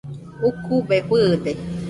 Ukube fɨɨde.